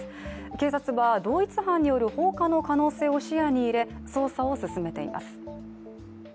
警察は同一犯による放火の可能性を視野に入れ捜査を進めています。